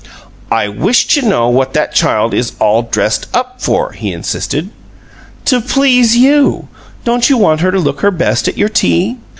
"I wish to know what that child is all dressed up for?" he insisted. "To please you! Don't you want her to look her best at your tea?"